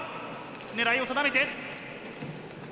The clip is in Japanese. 狙いを定めて。